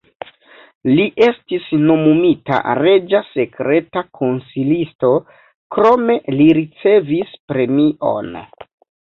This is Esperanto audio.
Li estis nomumita reĝa sekreta konsilisto, krome li ricevis premion.